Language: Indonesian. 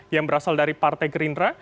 yang berasal dari partai gerindra